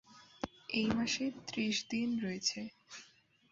এই মাসে ত্রিশ দিন রয়েছে।